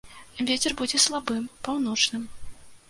Вецер будзе слабым, паўночным.